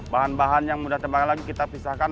bahan bahan yang mudah terbakar lagi kita pisahkan